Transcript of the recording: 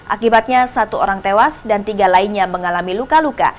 akibatnya satu orang tewas dan tiga lainnya mengalami luka luka